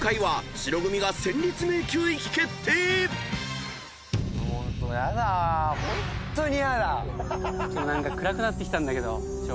しかも何か暗くなってきたんだけど。